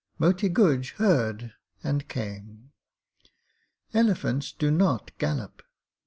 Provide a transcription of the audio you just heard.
Moti Guj heard and came. Elephants do not gallop.